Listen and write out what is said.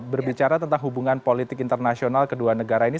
berbicara tentang hubungan politik internasional kedua negara ini